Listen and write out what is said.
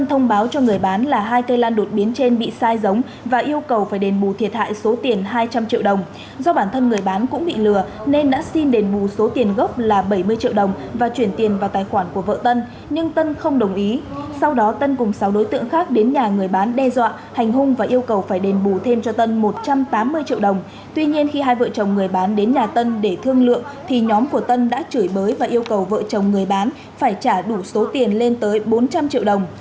tuy nhiên khi hai vợ chồng người bán đến nhà tân để thương lượng thì nhóm của tân đã chửi bới và yêu cầu vợ chồng người bán phải trả đủ số tiền lên tới bốn trăm linh triệu đồng